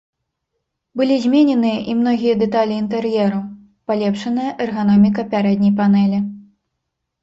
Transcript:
Былі змененыя і многія дэталі інтэр'еру, палепшаная эрганоміка пярэдняй панэлі.